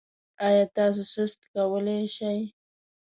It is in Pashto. ایا تاسو سست کولی شئ؟